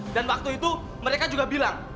dan waktu itu mereka juga bilang